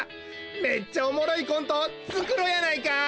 めっちゃおもろいコントをつくろうやないか！